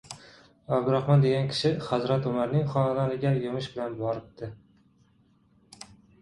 Abdurahmon degan kishi hazrat Umarning xonadoniga yumush bilan boribdi.